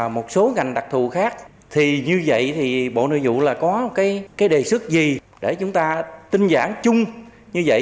một số ngành đặc thù khác thì như vậy thì bộ nội vụ là có cái đề xuất gì để chúng ta tinh giản chung như vậy